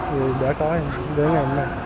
thì để có em để ngày hôm nay